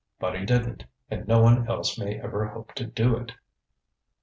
But he didn't; and no one else may ever hope to do it.